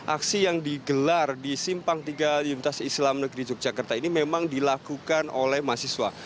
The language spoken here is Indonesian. aksi yang digelar di simpang tiga universitas islam negeri yogyakarta ini memang dilakukan oleh mahasiswa